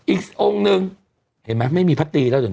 อีกองค์นึงเห็นไหมไม่มีพตีแล้วตอนนี้